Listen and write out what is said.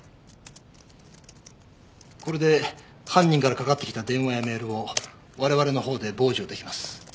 これで犯人からかかってきた電話やメールを我々のほうで傍受できます。